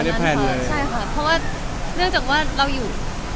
ใช่คะเพราะว่าเรื่องจากว่าเราอยู่